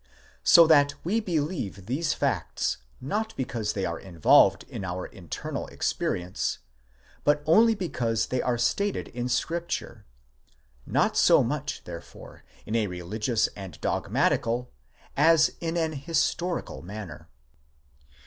so that we believe these facts, not because they are in volved in our internal experience, but only because they are stated in Scripture; not so much, therefore, in a religious and dogmatical, as in an historical manner.